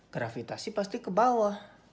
gravitasi pasti ke bawah